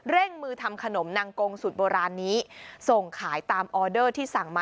มือทำขนมนางกงสูตรโบราณนี้ส่งขายตามออเดอร์ที่สั่งมา